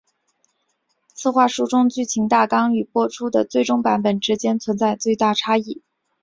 企划书中的剧情大纲与播出的最终版本之间存在巨大差异。